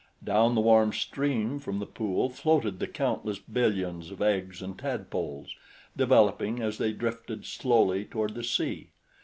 Down the warm stream from the pool floated the countless billions of eggs and tadpoles, developing as they drifted slowly toward the sea.